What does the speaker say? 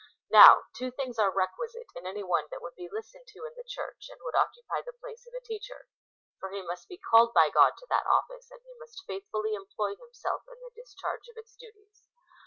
Now, two things are requisite in any one that would he listened to in the Church, and would occupy the place of a teacher ; for he must be called by God to that office, and he must faithfully employ himself in the discharge of its duties.